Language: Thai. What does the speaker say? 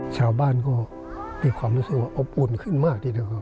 ชาวบ้านก็มีความรู้สึกว่าอบอุ่นขึ้นมากดี